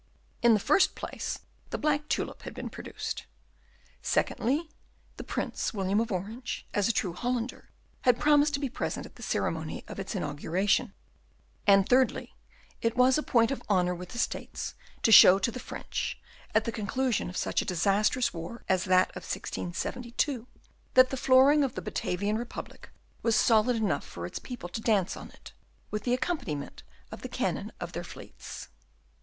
In the first place, the black tulip had been produced; secondly, the Prince William of Orange, as a true Hollander, had promised to be present at the ceremony of its inauguration; and, thirdly, it was a point of honour with the States to show to the French, at the conclusion of such a disastrous war as that of 1672, that the flooring of the Batavian Republic was solid enough for its people to dance on it, with the accompaniment of the cannon of their fleets.